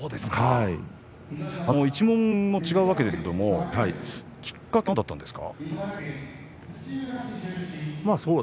一門も違うわけですけれどもきっかけは何だったんですか？